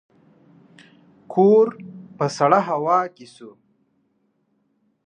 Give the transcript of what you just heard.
کور په سړه هوا کې شو.